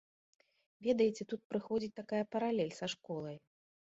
Ведаеце, тут прыходзіць такая паралель са школай.